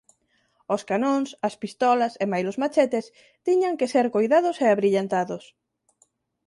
Os canóns, as pistolas e mailos machetes tiñan que ser coidados e abrillantados.